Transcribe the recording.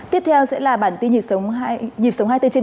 tiếp theo sẽ là bản tin nhịp sống hai t bảy